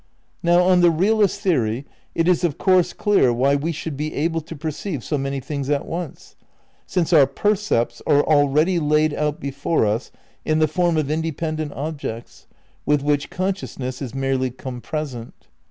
Now on the realist theory it is of course clear why we should be able to perceive so many things at once, since our percepts are already laid out before us in the form of independent objects with which consciousness is merely compresent.